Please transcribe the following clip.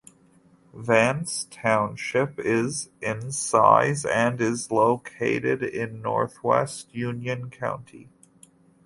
Vance Township is in size and is located in northwest Union County.